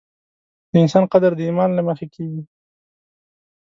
د انسان قدر د ایمان له مخې کېږي.